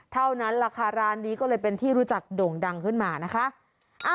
เท่านั้นราคาร้านนี้ก็เลยเป็นที่รู้จักโด่งดังขึ้นมานะคะ